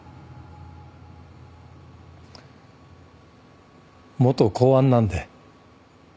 元公安なんで。